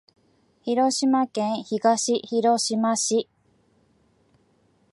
広島県東広島市